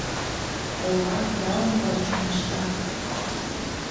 Ола, ял ӱмбач чоҥешта.